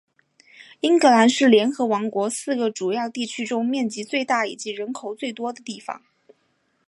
英格兰是联合王国四个主要地区中面积最大以及人口最多的地方。